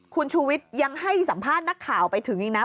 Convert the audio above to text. คุณชูวิทย์ยังให้สัมภาษณ์นักข่าวไปถึงอีกนะ